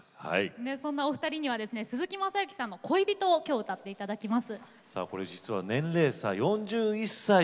そんなお二人には鈴木雅之さんの「恋人」を歌っていただきます。